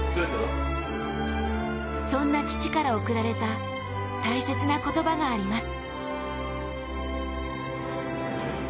そんな父から贈られた大切な言葉があります。